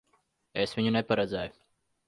Es viņu neparedzēju.